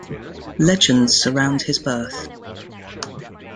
Legends surround his birth.